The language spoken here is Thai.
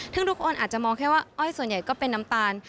ซึ่งทุกคนอาจจะมองแค่ว่าอ้อยส่วนใหญ่ก็เป็นน้ำตาล